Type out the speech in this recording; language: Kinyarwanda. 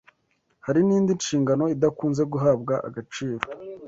Hari indi nshingano idakunze guhabwa agaciro